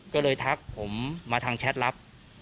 ก็เลยทักผมมาทางแชทลับ